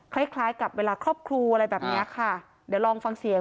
คล้ายคล้ายกับเวลาครอบครูอะไรแบบเนี้ยค่ะเดี๋ยวลองฟังเสียง